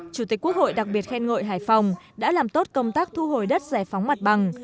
chủ tịch quốc hội đặc biệt khen ngợi hải phòng đã làm tốt công tác thu hồi đất giải phóng mặt bằng